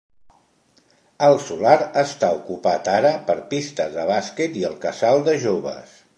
El solar està ocupat ara per pistes de bàsquet i el Casal de Joves.